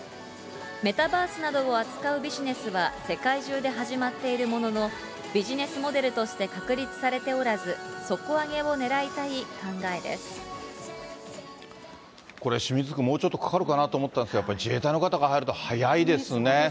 メタバースなどを扱うビジネスは世界中で始まっているものの、ビジネスモデルとして確立されておらず、これ、清水区、もうちょっとかかるかなと思ったんですけど、やっぱり自衛隊の方が入ると早いですね。